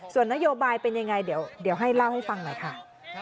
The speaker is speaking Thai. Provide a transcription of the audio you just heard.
ส่วนนโยบายเป็นยังไงเดี๋ยวให้เล่าให้ฟังหน่อยค่ะ